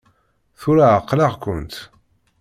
Tura ɛeqleɣ-kent!